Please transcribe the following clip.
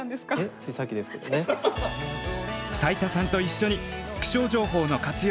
斉田さんと一緒に気象情報の活用